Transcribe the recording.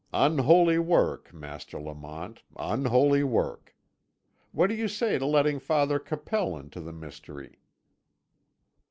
Unholy work, Master Lamont, unholy work! What do you say to letting Father Capel into the mystery?"